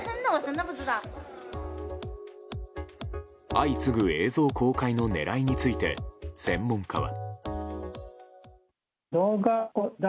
相次ぐ映像公開の狙いについて専門家は。